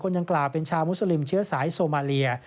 ดังกล่าวเป็นชาวมุสลิมเชื้อสายโซมาเลีย